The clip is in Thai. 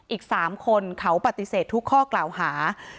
อีก๓คนเขาปฏิเสธทุกข้อกล่าวหา